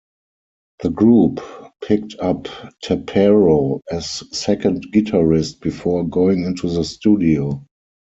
The group picked up Tappero as second guitarist before going into the studio.